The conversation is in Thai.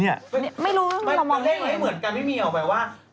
นี่ไม่รู้มึงลองมองนี่มันเลขไว้เหมือนกันไม่มีออกไปว่า